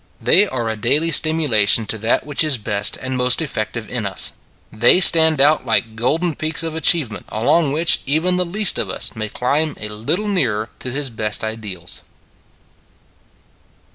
They are a daily stimulation to that which is best and most effective in us they stand out like golden peaks of achievement along which even the least of us may climb a little nearer to his best ideals.